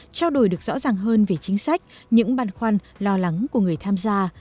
trao đổi được rõ ràng hơn về chính sách những băn khoăn lo lắng của người tham gia